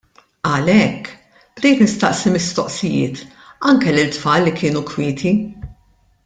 Għalhekk, bdejt nistaqsi mistoqsijiet anki lil tfal li kienu kwieti.